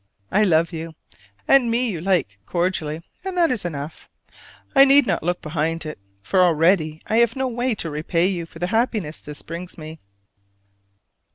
I love you; and me you like cordially: and that is enough. I need not look behind it, for already I have no way to repay you for the happiness this brings me.